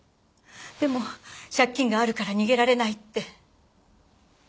でも借金があるから逃げられないって。